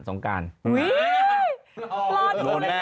สงปาร์ด